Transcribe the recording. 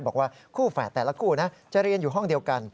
บอกว่าคู่แฝดแต่ละคู่นะจะเรียนอยู่ห้องเดียวกัน